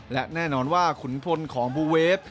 และแน่นอนว่าขุนพลของบูเวฟ